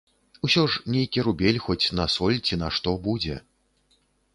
Усё ж нейкі рубель, хоць на соль ці на што будзе.